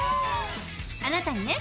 あなたにね